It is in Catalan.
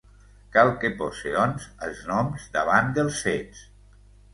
Cal que pose, doncs, els noms davant dels fets.